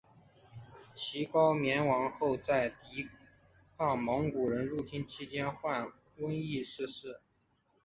其高棉王后在抵抗蒙古人入侵期间患瘟疫逝世。